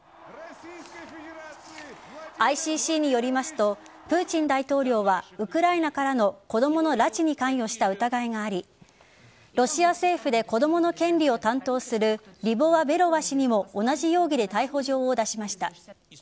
ＩＣＣによりますとプーチン大統領はウクライナからの子供の拉致に関与した疑いがありロシア政府で子供の権利を担当するリボワ・ベロワ氏にも同じ容疑で逮捕状を出しました。